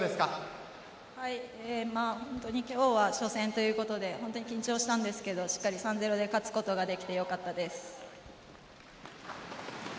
本当に今日は初戦ということで緊張したんですけどしっかり３ー０で勝つことができてよかったです。